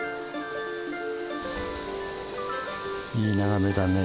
いい眺めだね